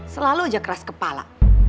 selalu aja keras kepala